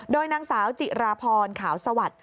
โดยนางสาวจิราพรขาวสวัสดิ์